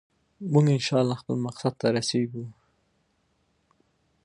هغه وویل عادي ایرانیان هدف نه دي.